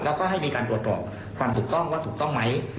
แล้วก็ให้มีการตรวจสอบความถูกต้องว่าถูกต้องไหม